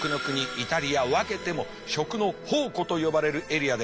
イタリアわけても食の宝庫と呼ばれるエリアであります。